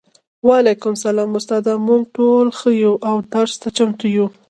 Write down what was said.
وعلیکم السلام استاده موږ ټول ښه یو او درس ته چمتو یو